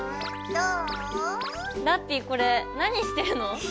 ラッピィこれ何してるの？